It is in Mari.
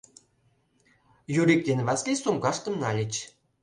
Юрик ден Васлий сумкаштым нальыч.